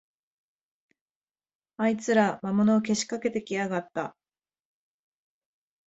あいつら、魔物をけしかけてきやがった